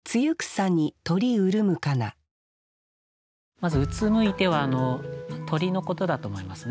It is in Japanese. まず「うつむいて」は鳥のことだと思いますね。